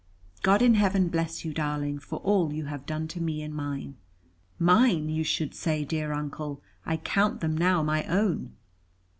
"God in heaven bless you, darling, for all you have done to me and mine." "Mine, you should say, dear Uncle. I count them now my own."